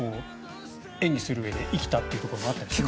演技するうえで生きたというところはあるんですか？